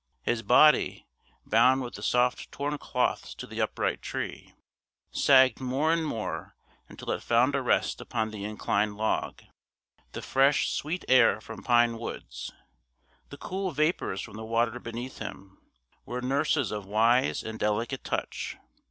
His body, bound with the soft torn cloths to the upright tree, sagged more and more until it found a rest upon the inclined log. The fresh sweet air from pine woods, the cool vapours from the water beneath him, were nurses of wise and delicate touch.